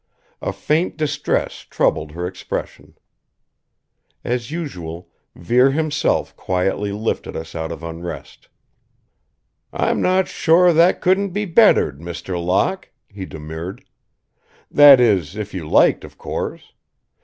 A faint distress troubled her expression. As usual, Vere himself quietly lifted us out of unrest. "I'm not sure that couldn't be bettered, Mr. Locke," he demurred. "That is if you liked, of course!